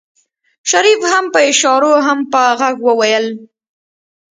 شريف هم په اشارو هم په غږ وويل.